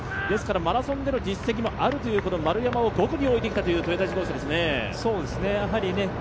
マラソンでの実績もあるという丸山を５区に置いてきたというトヨタ自動車ですね。